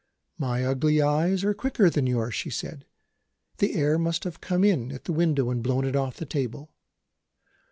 "My ugly eyes are quicker than yours," she said. "The air must have come in at the window and blown it off the table."